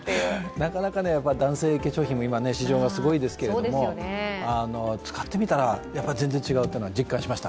なかなか男性化粧品も今、市場がすごいですけど使って見たら、全然違うというのは実感しました。